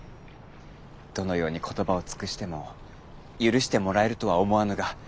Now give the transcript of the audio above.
どのように言葉を尽くしても許してもらえるとは思わぬが。